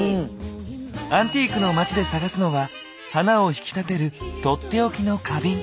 アンティークの街で探すのは花を引き立てる取って置きの花瓶。